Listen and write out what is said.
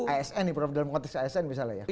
asn nih prof dalam konteks asn misalnya ya